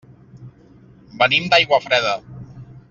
Venim d'Aiguafreda.